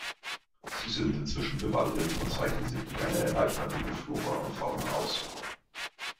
Sie sind inzwischen bewaldet und zeichnen sich durch eine reichhaltige Flora und Fauna aus.